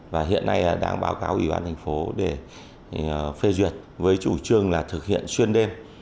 và hiện nay đang báo cáo ủy ban thành phố để phê duyệt với chủ trương là thực hiện xuyên đêm